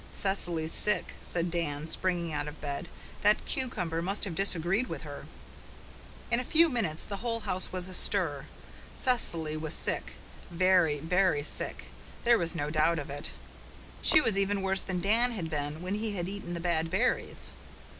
"Cecily's sick," said Dan, springing out of bed. "That cucumber must have disagreed with her." In a few minutes the whole house was astir. Cecily was sick very, very sick, there was no doubt of that. She was even worse than Dan had been when he had eaten the bad berries.